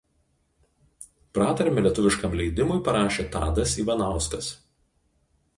Pratarmę lietuviškam leidimui parašė Tadas Ivanauskas.